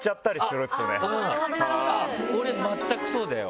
あっ俺全くそうだよ